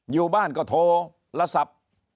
อยู่บ้านก็โทรและสับ